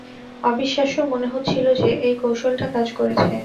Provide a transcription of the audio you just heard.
অবিশ্বাস্য মনে হচ্ছিল যে এই কৌশলটা কাজ করেছে।